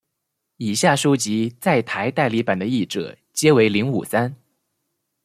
以下书籍在台代理版的译者皆为林武三。